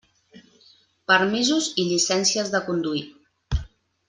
Permisos i llicencies de conduir.